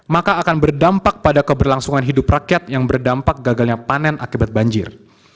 maka akan berdampak pada keberlangsungan hidup rakyat yang berdampak gagalnya panen akibat banjir